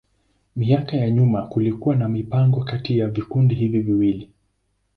Miaka ya nyuma kulikuwa na mapigano kati ya vikundi hivi viwili.